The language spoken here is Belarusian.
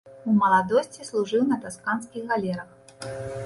У маладосці служыў на тасканскіх галерах.